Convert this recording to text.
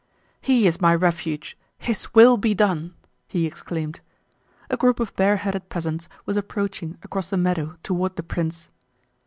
"He is my refuge! His will be done!" he exclaimed. A group of bareheaded peasants was approaching across the meadow toward the prince.